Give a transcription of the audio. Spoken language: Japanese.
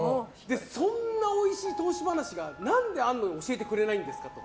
そんなおいしい投資話が何で、あるのに教えてくれないんですかと。